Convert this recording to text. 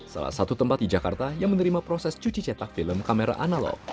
salah satu tempat di jakarta yang menerima proses cuci cetak film kamera analog